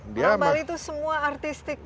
orang bali itu semua artistik kok